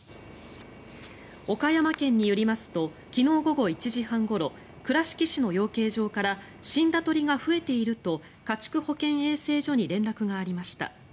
岡山県によりますと昨日午後１時半ごろ倉敷市の養鶏場から死んだ鳥が増えていると家畜保健衛生所に連絡がありました。